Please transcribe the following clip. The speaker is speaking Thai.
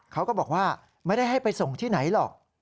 เขาก็บอกว่าไม่ได้ให้ไปส่งที่ไหนหรอก